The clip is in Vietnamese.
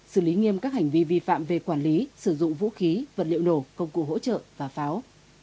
xử lý nghiêm các hành vi vi phạm về quản lý sử dụng vũ khí vật liệu nổ công cụ hỗ trợ và pháo